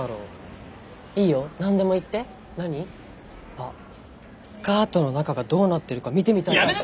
あっスカートの中がどうなってるか見てみたいとか。